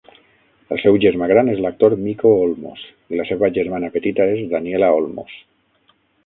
El seu germà gran és l'actor Mico Olmos, i la seva germana petita és Daniela Olmos.